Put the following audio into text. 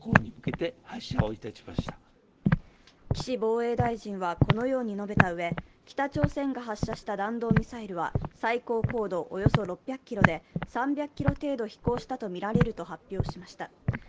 岸防衛大臣はこのように述べたうえ、北朝鮮が発射した弾道ミサイルは最高高度およそ６００ｋｍで、３００ｋｍ程度飛行したとみられると発表しました。